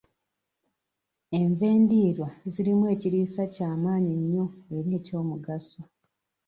Enva endiirwa zirimu ekiriisa kya maanyi nnyo era eky'omugaso.